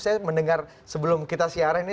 saya mendengar sebelum kita siaran ini